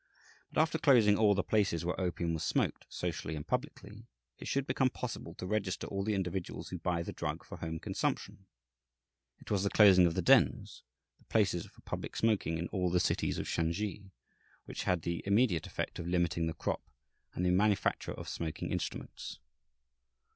But after closing all the places where opium was smoked socially and publicly, it should become possible to register all the individuals who buy the drug for home consumption. It was the closing of the dens, the places for public smoking, in all the cities of Shansi, which had the immediate effect of limiting the crop and the manufacture of smoking instruments.